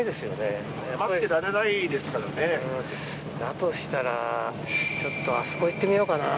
だとしたらちょっとあそこ行ってみようかなぁ。